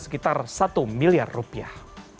sekitar satu miliar rupiah